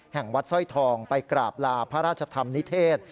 แห่งวัดสร้อยทองไปกราบลาพระราชธรรมนิเทศ